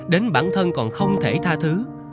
đến bản thân còn không thể tha thứ